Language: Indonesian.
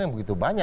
yang begitu banyak